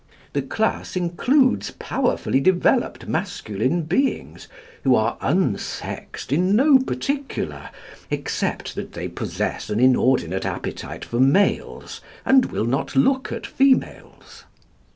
The class includes powerfully developed masculine beings, who are unsexed in no particular except that they possess an inordinate appetite for males, and will not look at females.